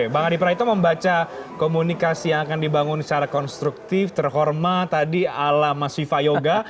bang adi praitno membaca komunikasi yang akan dibangun secara konstruktif terhormat tadi ala mas viva yoga